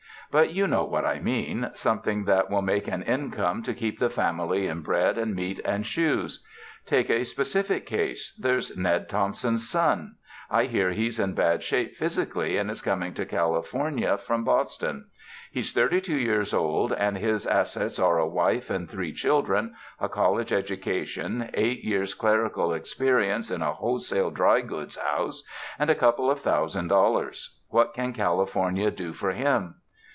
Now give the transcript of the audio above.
But you know what I mean, something that will make an income to keep the family in bread and meat and shoes. Take a spe cific case, there's Ned Thompson's son, I hear he's in bad shape physically and is coming to California from Boston. He's thirty two years old and his as sets are a wife and three children, a college educa tion, eight years' clerical experience in a wholesale dry goods house, and a couple of thousand dollars. What can California do for him?"